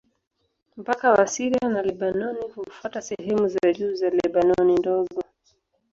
Mpaka wa Syria na Lebanoni hufuata sehemu za juu za Lebanoni Ndogo.